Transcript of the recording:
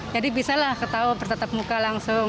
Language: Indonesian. jadi bisa lah ketahuan bertatap muka langsung